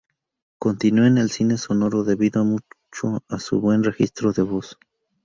Continuó en el cine sonoro debido mucho a su buen registro de voz.